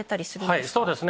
はいそうですね。